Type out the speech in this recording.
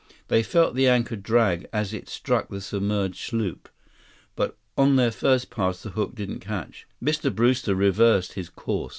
They felt the anchor drag as it struck the submerged sloop. But on their first pass the hook didn't catch. Mr. Brewster reversed his course.